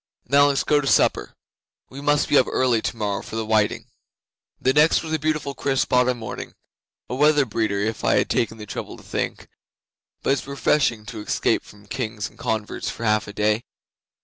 Now let's go to supper. We must be up early tomorrow for the whiting." 'The next was a beautiful crisp autumn morning a weather breeder, if I had taken the trouble to think; but it's refreshing to escape from kings and converts for half a day.